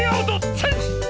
チェンジ！